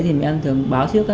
thì mẹ em thường báo trước